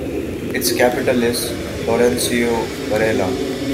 Its capital is Florencio Varela.